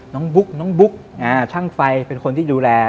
บุ๊กน้องบุ๊กช่างไฟเป็นคนที่ดูแล